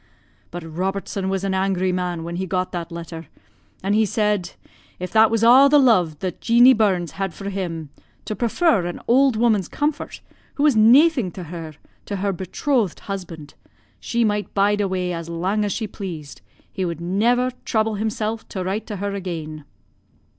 But Robertson was an angry man when he got that letter, and he said, 'If that was a' the lo'e that Jeanie Burns had for him, to prefer an auld woman's comfort, who was naething to her, to her betrothed husband, she might bide awa' as lang as she pleased, he would never trouble himsel' to write to her again.'